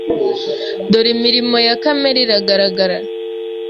Dore imirimo ya kamere iragaragara